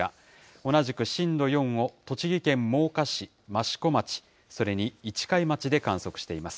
同じく震度４を栃木県真岡市、益子町、それに市貝町で観測しています。